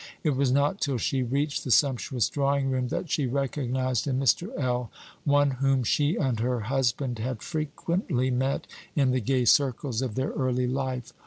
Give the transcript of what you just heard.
It was not till she reached the sumptuous drawing room that she recognized in Mr. L. one whom she and her husband had frequently met in the gay circles of their early life.